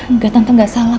enggak tante gak salah